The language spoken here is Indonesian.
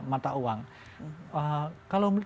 mata uang kalau